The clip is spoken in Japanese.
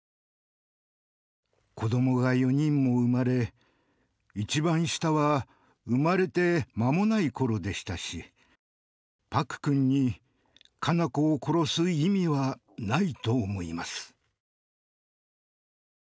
子どもが４人も生まれ、一番下は生まれて間もないころでしたし朴君に佳菜子を殺す意味はないと思います」。